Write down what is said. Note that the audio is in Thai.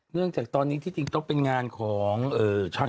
จากตอนนี้ที่จริงต้องเป็นงานของช่าง